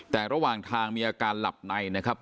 แต่ระหว่างทางมีอาการหลับในนะครับ